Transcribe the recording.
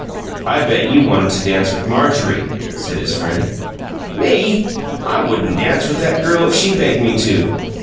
"I bet you wanted to dance with Marjorie!" said his friend. "Me? I wouldn't dance with that girl if she begged me to!